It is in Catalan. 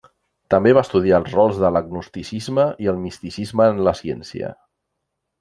També va estudiar els rols de l'agnosticisme i el misticisme en la ciència.